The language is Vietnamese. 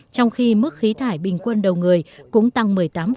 trong khi mức khí thải bình quân đầu người cũng tăng một mươi tám